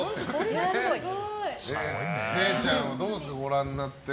れいちゃんはどうですかご覧になって。